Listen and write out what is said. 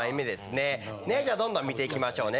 ねえじゃあどんどん見ていきましょうね。